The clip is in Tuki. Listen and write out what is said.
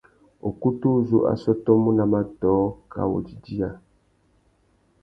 Ukutu uzú a sôtômú nà matōh kā wô didiya.